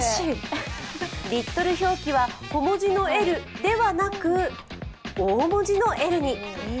リットル表記は小文字の「ｌ」ではなく大文字の「Ｌ」に。